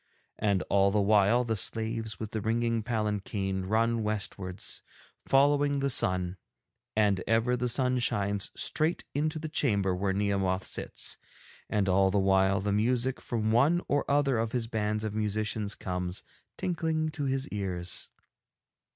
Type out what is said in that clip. And all the while the slaves with the ringing palanquin run westwards, following the sun, and ever the sun shines straight into the chamber where Nehemoth sits, and all the while the music from one or other of his bands of musicians comes tinkling to his ears.